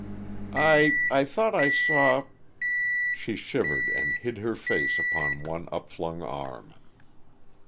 "I I thought I saw " She shivered and hid her face upon one upflung arm.